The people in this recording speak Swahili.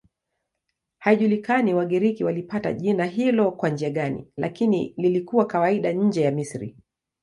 Haijulikani Wagiriki walipata jina hilo kwa njia gani, lakini lilikuwa kawaida nje ya Misri.